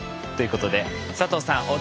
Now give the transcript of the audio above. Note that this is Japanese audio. ということで佐藤さん